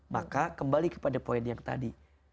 maka kembali kepada poin yang tadi